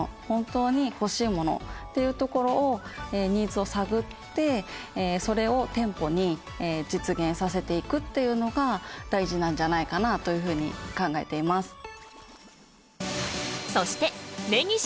本当にほしいものっていうところをニーズを探ってそれを店舗に実現させていくというのが大事なんじゃないかなというふうに考えています。